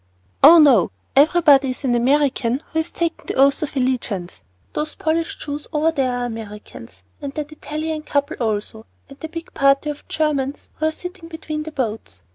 "Oh, no. Every body is an American who has taken the oath of allegiance. Those Polish Jews over there are Americans, and that Italian couple also, and the big party of Germans who are sitting between the boats.